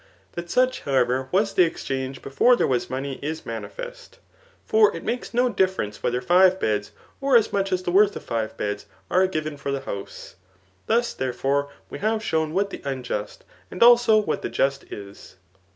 Tliat such, however, was the exdiange before there waa poney, is manifest; for it makes no difference whether five beds, or as much as the worth of five beds, are given £k the house* Thus, therefore, we have shown what the ixD^isikf and also what the just is.